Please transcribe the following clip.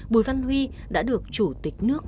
bùi văn huy đã được chủ tịch nước